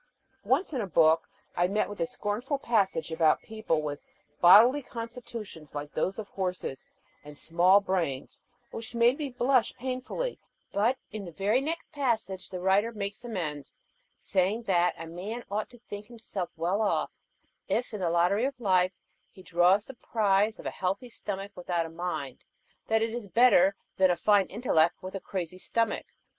Once in a book I met with a scornful passage about people with "bodily constitutions like those of horses, and small brains," which made me blush painfully; but in the very next passage the writer makes amends, saying that a man ought to think himself well off if, in the lottery of life, he draws the prize of a healthy stomach without a mind, that it is better than a fine intellect with a crazy stomach.